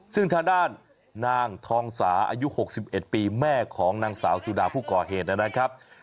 ซึ่งทางด้านนางทองสาอายุ๖๑ปีแม่ของนางสาวสุดาผู้ก่อเหตุนะครับ